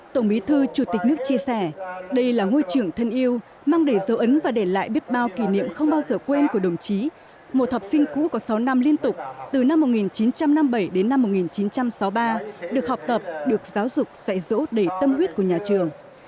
tổng bí thư chủ tịch nước chia sẻ đây là ngôi trường thân yêu mang đầy dấu ấn và để lại biết bao kỷ niệm không bao giờ quên của đồng chí một học sinh cũ có sáu năm liên tục từ năm một nghìn chín trăm năm mươi bảy đến năm một nghìn chín trăm sáu mươi ba được học tập được giáo dục dạy dỗ đầy tâm huyết của nhà trường